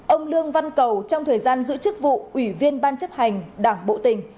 ông lương văn cầu trong thời gian giữ chức vụ ủy viên ban chấp hành đảng bộ tỉnh